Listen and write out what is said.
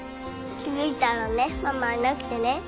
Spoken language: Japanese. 気づいたらねママいなくてね。